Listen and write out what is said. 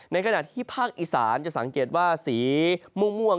ในขณะที่ภาคอีสานจะสังเกตว่าสีม่วง